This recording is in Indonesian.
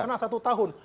karena satu tahun